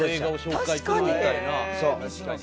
確かに。